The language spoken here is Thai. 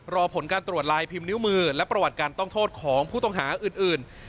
รอผลการตรวจลายพิมพ์นิ้วมือและประวัติการต้องโทษของผู้ต้องหาอื่น